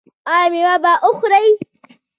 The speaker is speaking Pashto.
ایا میوه به خورئ؟